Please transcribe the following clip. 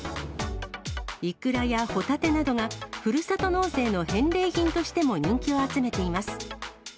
いくらやホタテなどがふるさと納税の返礼品としても人気を集めています。